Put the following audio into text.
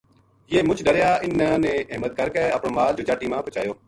یہ مُچ ڈریا اِنھاں نے ہمت کر کے اپنو مال جوجاٹی ما پوہچایو